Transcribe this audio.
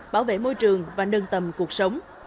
bảo vệ môi trường và nâng tầm cuộc sống